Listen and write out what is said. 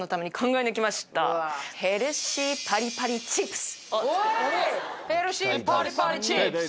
ヘルシーパリパリチップス。